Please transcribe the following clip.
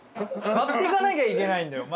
爆買い行かなきゃいけないんだよ